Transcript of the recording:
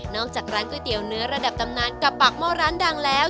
จากร้านก๋วยเตี๋ยวเนื้อระดับตำนานกับปากหม้อร้านดังแล้ว